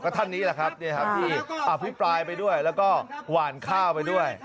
ท่านนี้แหละครับที่อภิปรายไปด้วยแล้วก็หวานข้าวไปด้วย